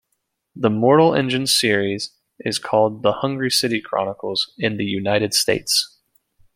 The Mortal Engines series is called the "Hungry City Chronicles" in the United States.